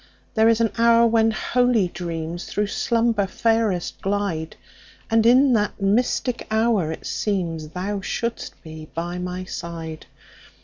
There is an hour when holy dreamsThrough slumber fairest glide; And in that mystic hour it seemsThou shouldst be by my side.